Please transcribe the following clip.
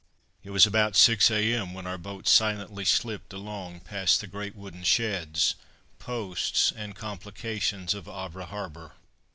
It was about 6 a.m. when our boat silently slipped along past the great wooden sheds, posts and complications of Havre Harbour.